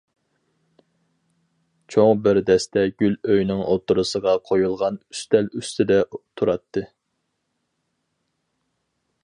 چوڭ بىر دەستە گۈل ئۆينىڭ ئوتتۇرىسىغا قويۇلغان ئۈستەل ئۈستىدە تۇراتتى.